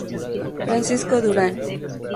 Francisco Durán.